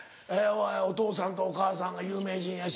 お父さんとお母さんが有名人やし。